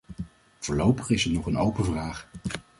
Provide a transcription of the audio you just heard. Voorlopig is het nog een open vraag.